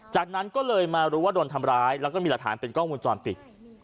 จากนั้นก็เลยมารู้ว่าโดนทำร้ายแล้วก็มีหลักฐานเป็นกล้องวงจรปิด